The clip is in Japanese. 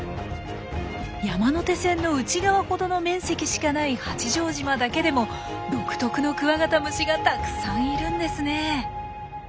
山手線の内側ほどの面積しかない八丈島だけでも独特のクワガタムシがたくさんいるんですね。